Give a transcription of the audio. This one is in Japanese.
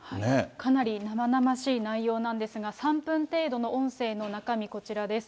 かなり生々しい内容なんですが、３分程度の音声の中身、こちらです。